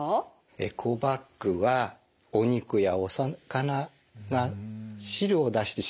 エコバッグはお肉やお魚が汁を出してしまうことがありますよね。